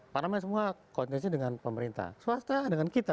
parlamen semua koordinasi dengan pemerintah swasta dengan kita